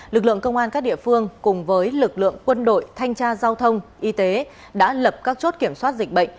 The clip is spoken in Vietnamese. lực lượng công an các địa phương cùng với lực lượng quân đội thanh tra giao thông y tế đã lập các chốt kiểm soát dịch bệnh